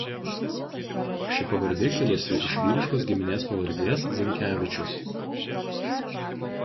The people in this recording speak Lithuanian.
Ši pavardė kilusi iš vyriškos giminės pavardės Zinkevičius.